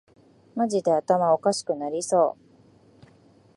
マジで頭おかしくなりそう